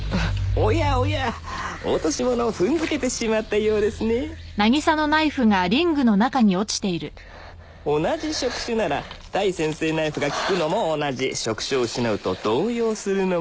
おやおや落とし物を踏んづけてしまったようですね同じ触手なら対先生ナイフが効くのも同じ触手を失うと動揺するのも同じです